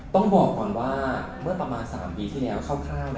ต้องบอกก่อนว่าเมื่อประมาณ๓ปีที่แล้วคร่าว